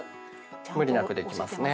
無理なくできますね。